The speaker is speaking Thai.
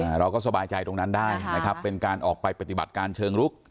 เราก็สบายใจตรงนั้นได้นะครับเป็นการออกไปปฏิบัติการเชิงลุก